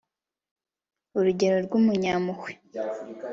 urugero rw'umunyampuhwe